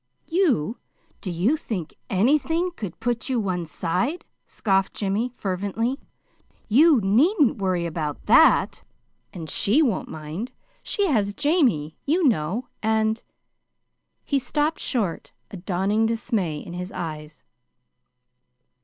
"You! Do you think ANYTHING could put you one side?" scoffed Jimmy, fervently. "You needn't worry about that. And SHE won't mind. She has Jamie, you know, and " He stopped short, a dawning dismay in his eyes.